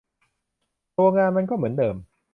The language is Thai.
ตัวงานมันก็เหมือนเดิม